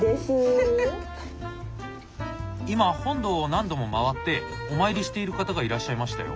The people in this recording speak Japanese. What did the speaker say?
今本堂を何度も回ってお参りしている方がいらっしゃいましたよ。